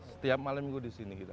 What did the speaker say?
setiap malam minggu di sini kita